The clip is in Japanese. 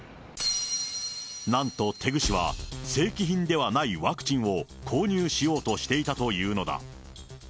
なんとテグ市は、正規品ではないワクチンを購入しようとしていたというのだ。